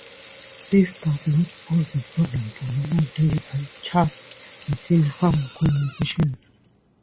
This does not pose a problem for normal digital chats within ham communications.